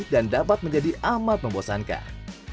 dan dapat menjadi amat membosankan